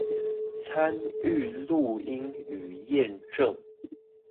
參與錄音與驗證